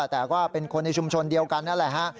แต่ก็เป็นคนในชุมชนเดียวกันนั่นแหละฮะ